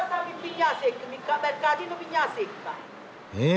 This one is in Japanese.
ええ。